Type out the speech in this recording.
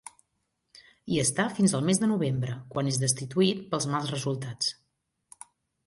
Hi està fins al mes de novembre, quan és destituït pels mals resultats.